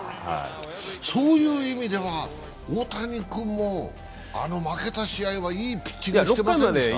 そういう意味では、大谷君も、あの負けた試合はいいピッチングしてませんでした？